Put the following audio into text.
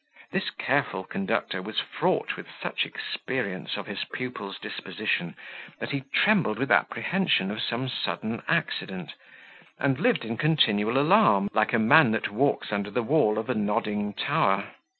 This careful conductor was fraught with such experience of his pupil's disposition, that he trembled with the apprehension of some sudden accident, and lived in continual alarm, like a man that walks under the wall of a nodding tower.